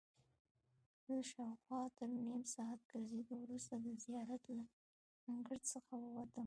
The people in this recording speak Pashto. زه شاوخوا تر نیم ساعت ګرځېدو وروسته د زیارت له انګړ څخه ووتم.